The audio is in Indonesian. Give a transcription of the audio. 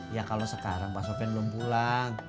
ya kalau sekarang pak sofian belum pulang